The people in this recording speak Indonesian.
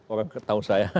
orang ketahu saya